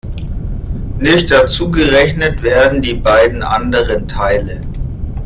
Nicht dazugerechnet werden die beiden anderen Teile.